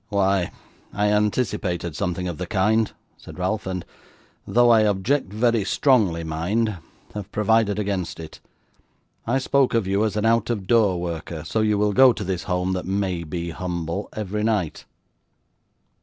'Why, I anticipated something of the kind,' said Ralph; 'and though I object very strongly, mind have provided against it. I spoke of you as an out of door worker; so you will go to this home that may be humble, every night.